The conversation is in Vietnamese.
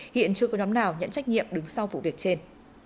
hiện chưa có nhóm nào nhận trách nhiệm đứng sau vụ việc trên